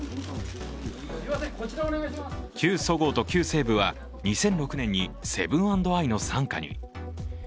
旧そごうと旧西武は２００６年にセブン＆アイの傘下に。